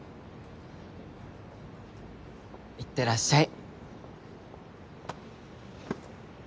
いってらっしゃい。